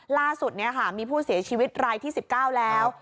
ล่าสุดมีผู้เสียชีวิตรายที่๑๙แล้ว